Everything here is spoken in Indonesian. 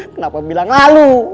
kenapa bilang lalu